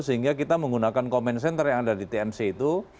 sehingga kita menggunakan comment center yang ada di tmc itu